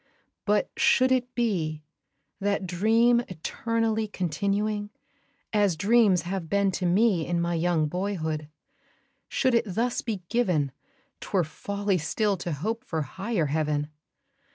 But should it be that dream eternally Continuing as dreams have been to me In my young boyhood should it thus be given, 'Twere folly still to hope for higher Heaven.